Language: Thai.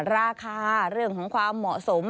เรื่องของความเหมาะสม